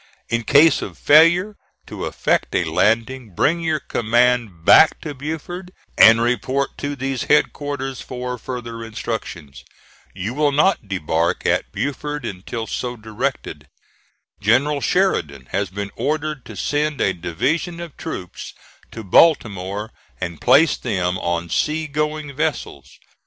"In case of failure to effect a landing, bring your command back to Beaufort, and report to these headquarters for further instructions. You will not debark at Beaufort until so directed. "General Sheridan has been ordered to send a division of troops to Baltimore and place them on sea going vessels.